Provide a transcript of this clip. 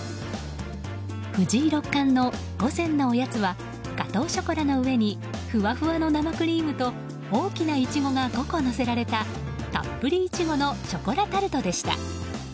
藤井六冠の午前のおやつはガトーショコラの上にふわふわの生クリームと大きなイチゴが５個のせられたたっぷり苺のショコラタルトでした。